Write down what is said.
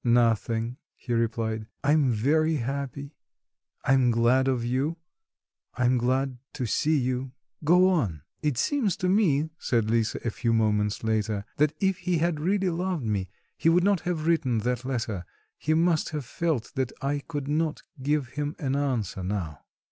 "Nothing," he replied; "I'm very happy; I'm glad of you, I'm glad to see you go on." "It seems to me," said Lisa a few moments later, "that if he had really loved me, he would not have written that letter; he must have felt that I could not give him an answer now."